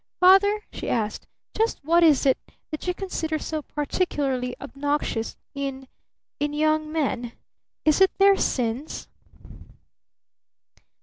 Father!" she asked, "just what is it that you consider so particularly obnoxious in in young men? Is it their sins?"